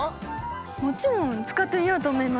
もちろん使ってみようと思います。